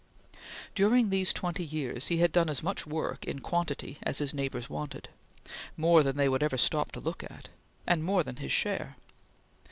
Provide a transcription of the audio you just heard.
During these twenty years he had done as much work, in quantity, as his neighbors wanted; more than they would ever stop to look at, and more than his share.